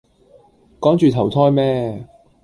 趕住投胎咩